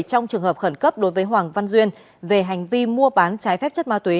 trong trường hợp khẩn cấp đối với hoàng văn duyên về hành vi mua bán trái phép chất ma túy